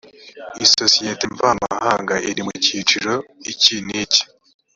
isosiyete mvamahanga iri mu cyiciro iki n iki